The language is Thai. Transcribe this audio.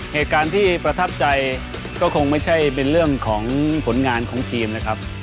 เหตุการณ์ที่ประทับใจก็คงไม่ใช่เป็นเรื่องของผลงานของทีมนะครับ